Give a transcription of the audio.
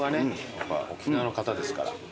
やっぱ沖縄の方ですから。